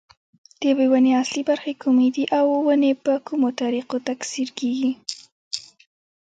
د یوې ونې اصلي برخې کومې دي او ونې په کومو طریقو تکثیر کېږي.